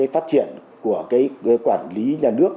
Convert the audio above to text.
phát triển của quản lý nhà nước